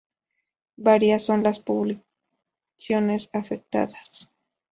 Varias son las poblaciones afectadas.